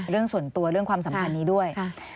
เรื่องส่วนตัวเรื่องความสัมพันธ์นี้ด้วย